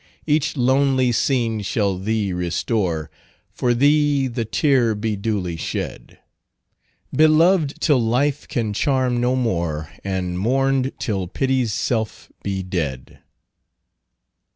"Each lonely scene shall thee restore, For thee the tear be duly shed; Belov'd till life can charm no more, And mourned till Pity's self be dead."